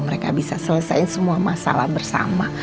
mereka bisa selesai semua masalah bersama